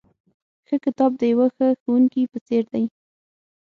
ښه کتاب د یوه ښه ښوونکي په څېر دی.